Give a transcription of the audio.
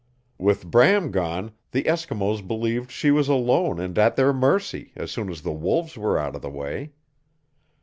With Bram gone, the Eskimos believed she was alone and at their mercy as soon as the wolves were out of the way.